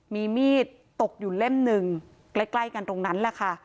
มีมีดตกอยู่เล่มหนึ่งใกล้กันตรงนั้นแหละค่ะ